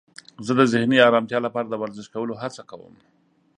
زه د ذهني آرامتیا لپاره د ورزش کولو هڅه کوم.